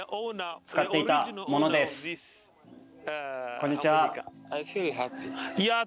こんにちは。